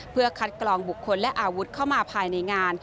เพื่อคัดกรองบุคคลและอาวุธเข้ามาภายในงาน